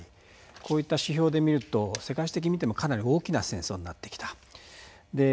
こういった指標で見ると世界史的に見てもかなり大きな戦争になってきた。